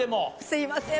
すいません。